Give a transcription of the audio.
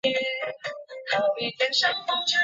我快到了，你再等一下。